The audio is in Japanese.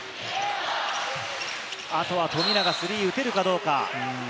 あとは富永、スリー打てるかどうか？